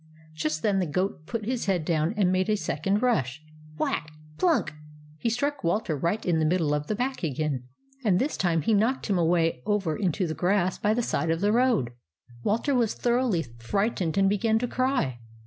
Just then the goat put his head down and made a second rush. Whack! plunk! he struck Walter right in the middle of the back again, and this time he knocked him away over into the grass by the side of the road. Walter was thoroughly frightened and began to cry.